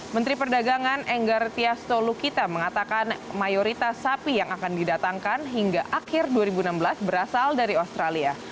menteri perdagangan enggar tias tolukita mengatakan mayoritas sapi yang akan didatangkan hingga akhir dua ribu enam belas berasal dari australia